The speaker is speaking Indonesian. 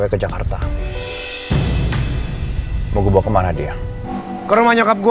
apa jangan jangan bapak masih dicari orang orang itu